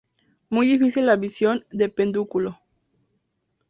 Muy difícil abscisión del pedúnculo.